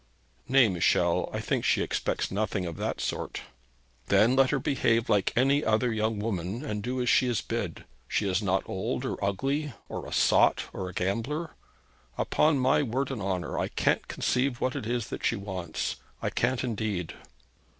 'Nay, Michel, I think she expects nothing of that sort.' 'Then let her behave like any other young woman, and do as she is bid. He is not old or ugly, or a sot, or a gambler. Upon my word and honour I can't conceive what it is that she wants. I can't indeed.'